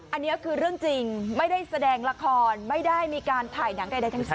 อันนี้คือเรื่องจริงไม่ได้แสดงละครไม่ได้มีการถ่ายหนังใดทั้งสิ้น